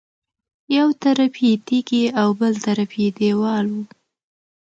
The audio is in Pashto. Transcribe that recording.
یو طرف یې تیږې او بل طرف یې دېوال و.